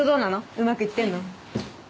うまくいってんの？